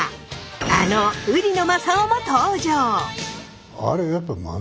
あの売野雅勇も登場！